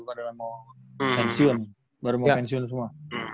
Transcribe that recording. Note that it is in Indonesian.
padahal mau pensiun baru mau pensiun semua